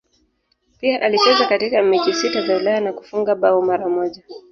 Pia alicheza katika mechi sita za Ulaya na kufunga bao mara moja.